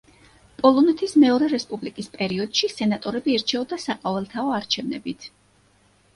პოლონეთის მეორე რესპუბლიკის პერიოდში, სენატორები ირჩეოდა საყოველთაო არჩევნებით.